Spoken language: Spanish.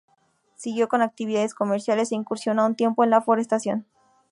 Siguió con actividades comerciales e incursionó un tiempo en la forestación.